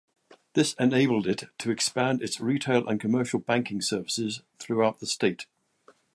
This enabled it to expand its retail and commercial banking services throughout the state.